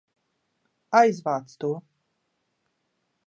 Aizvāc to!